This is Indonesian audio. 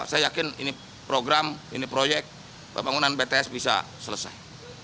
saya yakin ini program ini proyek pembangunan bts bisa selesai